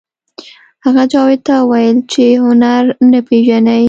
هغه جاوید ته وویل چې هنر نه پېژنئ